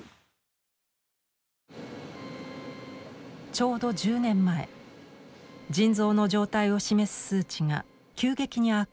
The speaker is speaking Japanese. ちょうど１０年前腎臓の状態を示す数値が急激に悪化し始めた時。